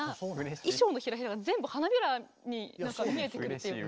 衣装のヒラヒラが全部花びらに見えてくるっていうか。